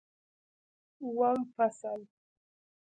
اووم فصل